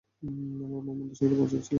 আমরা ভূমধ্যসাগরে পৌঁছে গেছিলাম।